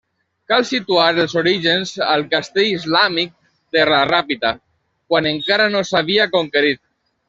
Cal situar els orígens al castell islàmic de la Ràpita, quan encara no s'havia conquerit.